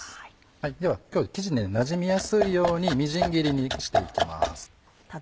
では今日生地になじみやすいようにみじん切りにしていきます。